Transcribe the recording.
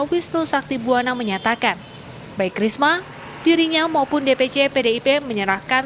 wisnu sakti buwana menyatakan baik risma dirinya maupun dpc pdip menyerahkan